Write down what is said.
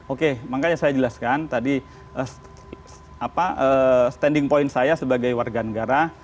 oke makanya saya jelaskan tadi standing point saya sebagai warga negara